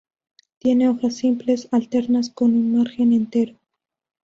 Tiene hojas simples, alternas con un margen entero.